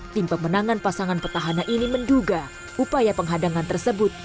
tim pemenangan pasangan petahana ini menduga upaya penghadangan tersebut